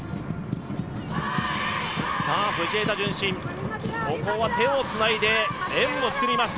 藤枝順心、ここは手をつないで円を作りました。